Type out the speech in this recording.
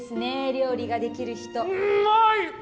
料理ができる人うまい！